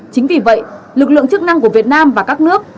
chính vì vậy lực lượng chức năng của việt nam và các nước